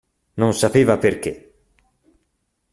Non sapeva perché.